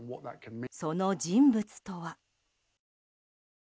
その人物とは。